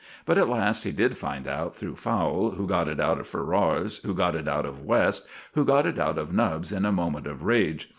But at last he did find out through Fowle, who got it out of Ferrars, who got it out of West, who got it out of Nubbs in a moment of rage.